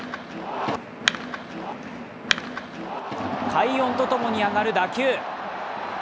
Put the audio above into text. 快音と共に上がる打球。